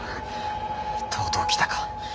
とうとう来たか。